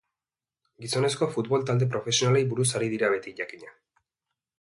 Gizonezko futbol talde profesionalei buruz ari dira beti, jakina.